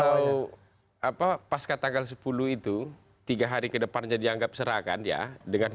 saya kira kalau pasca tanggal sepuluh itu tiga hari ke depannya dianggap serangan ya dengan